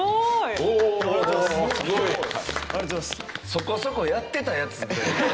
そこそこやってたやつって事。